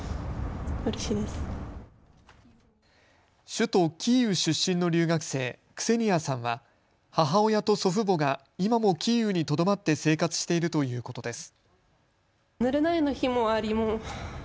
首都キーウ出身の留学生、クセニアさんは母親と祖父母が今もキーウにとどまって生活しているということです。